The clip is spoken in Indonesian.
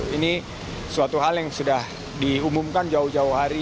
ini suatu hal yang sudah diumumkan jauh jauh hari